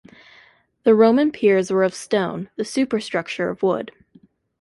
The Roman piers were of stone, the superstructure of wood.